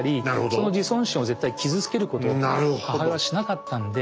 その自尊心を絶対傷つけることを母親はしなかったんで。